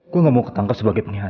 gue gak mau ketangkap sebagai penyihat